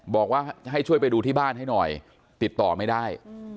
บอกว่าให้ช่วยไปดูที่บ้านให้หน่อยติดต่อไม่ได้